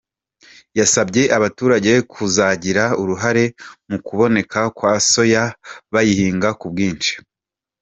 Yasabye abaturage kuzagira uruhare mu kuboneka kwa soya bayihinga ku bwinshi.